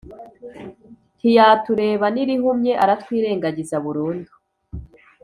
Ntiyatureba n'irihumye aratwirengagiza burundu